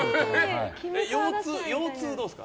腰痛はどうですか？